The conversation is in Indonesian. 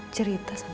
terima kasih ibu